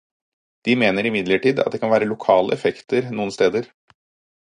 De mener imidlertid at det kan være lokale effekter noen steder.